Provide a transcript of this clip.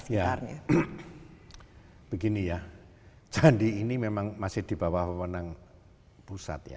ya begini ya candi ini memang masih di bawah pemenang pusat ya